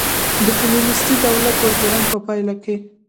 د کمونېستي دولت پروګرام په پایله کې.